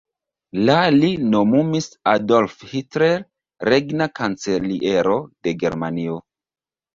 La li nomumis Adolf Hitler regna kanceliero de Germanio.